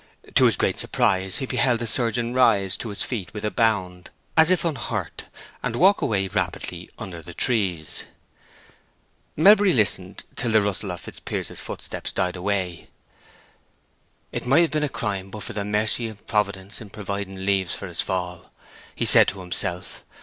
To his great surprise he beheld the surgeon rise to his feet with a bound, as if unhurt, and walk away rapidly under the trees. Melbury listened till the rustle of Fitzpiers's footsteps died away. "It might have been a crime, but for the mercy of Providence in providing leaves for his fall," he said to himself.